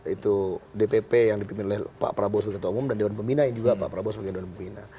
itu dpp yang dipimpin oleh pak prabowo sebagai ketua umum dan dewan pembina yang juga pak prabowo sebagai dewan pembina